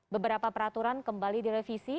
beberapa peraturan kembali direvisi